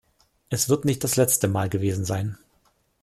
Es wird nicht das letzte Mal gewesen sein.